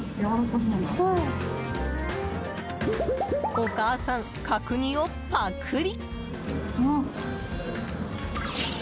お母さん、角煮をパクリ！